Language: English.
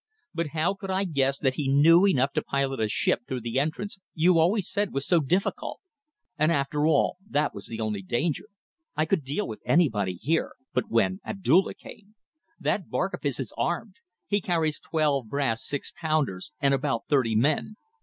But how could I guess that he knew enough to pilot a ship through the entrance you always said was so difficult. And, after all, that was the only danger. I could deal with anybody here but when Abdulla came. ... That barque of his is armed. He carries twelve brass six pounders, and about thirty men.